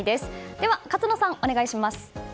では勝野さん、お願いします。